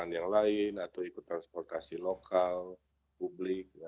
menyewa kendaraan yang lain atau ikut transportasi lokal publik